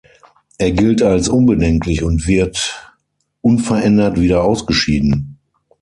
Es gilt als unbedenklich und wird unverändert wieder ausgeschieden.